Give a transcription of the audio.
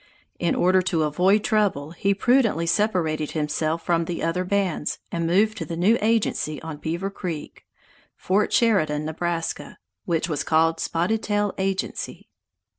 In order to avoid trouble, he prudently separated himself from the other bands, and moved to the new agency on Beaver Creek (Fort Sheridan, Nebraska), which was called "Spotted Tail Agency."